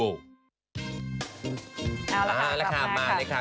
เอาละค่ะมาเลยค่ะ